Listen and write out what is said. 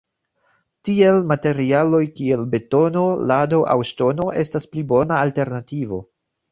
Tiel materialoj kiel betono, lado aŭ ŝtono estas pli bona alternativo.